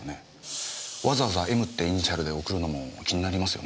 わざわざ「Ｍ」ってイニシャルで贈るのも気になりますよね。